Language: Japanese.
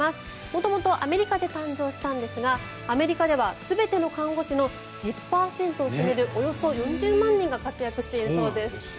元々アメリカで誕生したんですがアメリカでは全ての看護師の１０％を占めるおよそ４０万人が活躍しているそうです。